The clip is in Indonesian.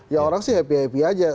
ya orang sih happy happy aja